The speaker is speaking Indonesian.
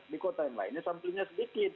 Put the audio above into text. di kota yang lainnya samplingnya sedikit